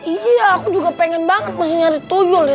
iya aku juga pengen banget masih nyari tuyulnya